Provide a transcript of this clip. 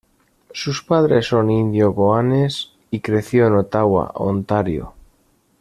Sus padres son Indio-Goanes y creció en Ottawa, Ontario.